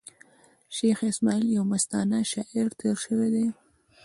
شېخ اسماعیل یو مستانه شاعر تېر سوﺉ دﺉ.